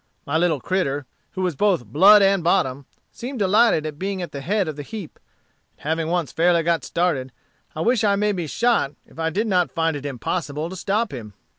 My little critter, who was both blood and bottom, seemed delighted at being at the head of the heap; and having once fairly got started, I wish I may be shot if I did not find it impossible to stop him.